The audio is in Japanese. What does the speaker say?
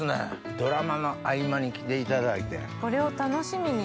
ドラマの合間に来ていただいて。